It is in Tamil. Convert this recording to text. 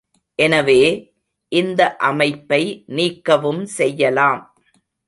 எனவே, இந்த அமைப்பை நீக்கவும் செய்யலாம்.